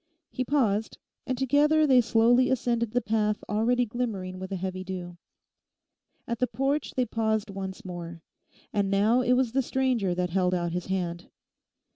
He paused, and together they slowly ascended the path already glimmering with a heavy dew. At the porch they paused once more. And now it was the stranger that held out his hand.